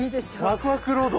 ワクワクロード。